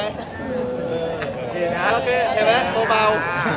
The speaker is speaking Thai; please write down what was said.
โอเคเห็นไหมเบา